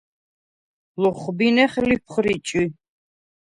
ლოხბინეხ ლიფხრიჭი.